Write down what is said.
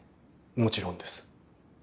もちろんです。